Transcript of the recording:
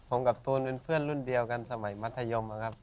ผมกับตูนเป็นเพื่อนรุ่นเดียวกันสมัยมัธยมนะครับ